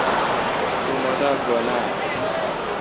تو مہ دا گھن آ؟